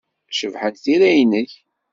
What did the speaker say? Cebḥent tira-nnek.